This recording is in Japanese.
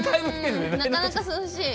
なかなか涼しい。